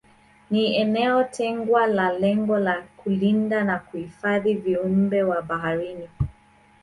Ni eneo tengwa kwa lengo la kulinda na kuhifadhi viumbe wa baharini